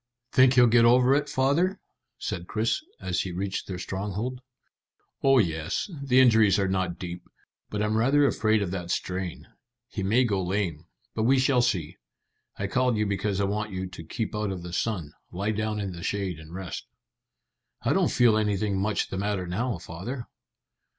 "Think he'll get over it, father?" said Chris, as he reached their stronghold. "Oh yes. The injuries are not deep; but I'm rather afraid of that strain. He may go lame; but we shall see. I called you because I want you to keep out of the sun. Lie down in the shade and rest." "I don't feel anything much the matter now, father."